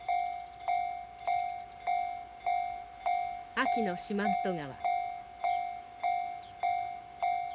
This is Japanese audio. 秋の四万十川。